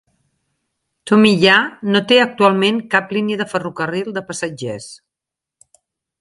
Tomiya no té actualment cap línia de ferrocarril de passatgers.